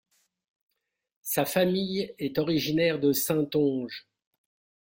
Sa famille est originaire de Saintonge.